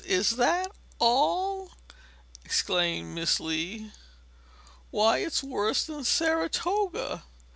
Is that all?" exclaimed Miss Lee. "Why, it's worse than Saratoga.